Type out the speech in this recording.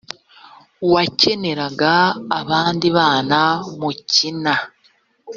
wakeneraga abandi bana mukina